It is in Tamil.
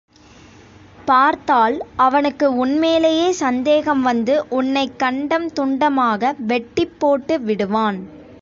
பார்த்தால் அவனுக்கு உன்மேலேயே சந்தேகம் வந்து உன்னைக் கண்டம் துண்டமாக வெட்டிப் போட்டு விடுவான்.